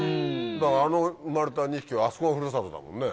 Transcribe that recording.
あの生まれた２匹はあそこがふるさとだもんね。